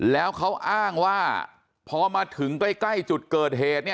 แล้วเขาอ้างว่าพอมาถึงใกล้จุดเกิดเหตุ